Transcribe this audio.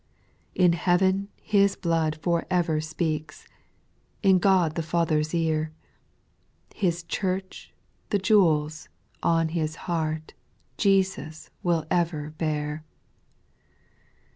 2. In heaven His blood for ever speaks In God the Father's ear ; His church, the jewels, on His heart Jesus will ever bear.